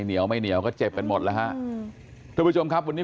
เหนียวไม่เหนียวก็เจ็บกันหมดแล้วฮะทุกผู้ชมครับวันนี้